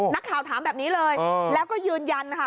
นักข่าวถามแบบนี้เลยแล้วก็ยืนยันนะคะ